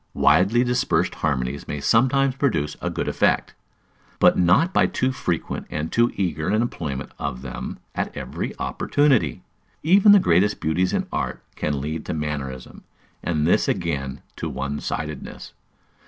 Widely dispersed harmonies may sometimes produce a good effect, but not by too frequent and too eager an employment of them at every opportunity. Even the greatest beauties in art can lead to mannerism, and this again to one sidedness.